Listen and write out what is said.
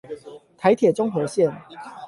臺鐵中和線